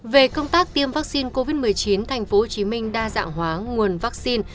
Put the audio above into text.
về công tác tiêm vaccine covid một mươi chín tp hcm đa dạng hóa nguồn vaccine